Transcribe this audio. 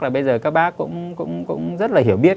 là bây giờ các bác cũng rất là hiểu biết